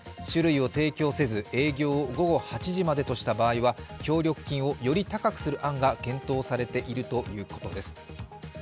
酒類を提供せず午後８時までとした場合は、協力金をより高くする案が検討されているということです。